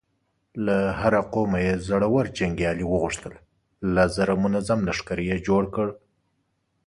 له هر قومه يې زړور جنګيالي وغوښتل، لس زره منظم لښکر يې جوړ کړ.